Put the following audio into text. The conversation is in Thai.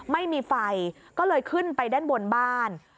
ไม่มีไฟก็เลยขึ้นไปด้านบนบ้าน